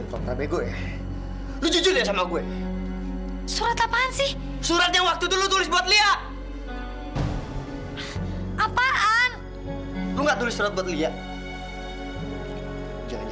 sampai jumpa di video selanjutnya